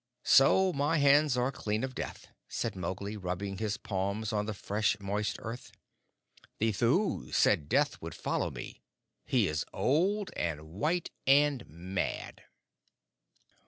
"So my hands are clean of Death," said Mowgli, rubbing his palms on the fresh, moist earth. "The Thuu said Death would follow me. He is old and white and mad."